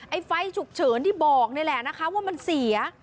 ไฟฉุกเฉินที่บอกนี่แหละนะคะว่ามันเสีย